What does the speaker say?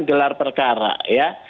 gelar perkara ya